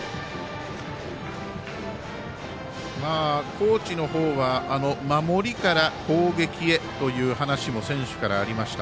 高知のほうは、守りから攻撃へというはなしも選手からありました。